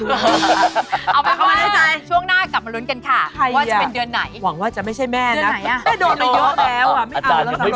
อุ๊ยปวด